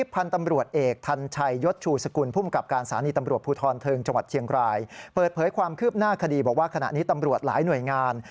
เผยความคืบหน้าคดีบอกว่าขณะนี้ตำรวจหลายหน่วยงาน